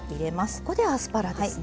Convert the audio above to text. ここでアスパラですね。